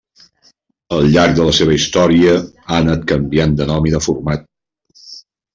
Al llarg de la seva història ha anat canviant de nom i de format.